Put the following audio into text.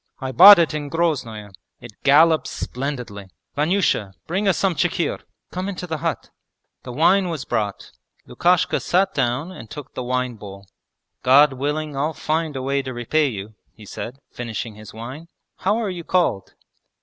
I bought it in Groznoe; it gallops splendidly! Vanyusha, bring us some chikhir. Come into the hut.' The wine was brought. Lukashka sat down and took the wine bowl. 'God willing I'll find a way to repay you,' he said, finishing his wine. 'How are you called?'